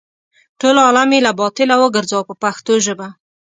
ټول عالم یې له باطله وګرځاوه په پښتو ژبه.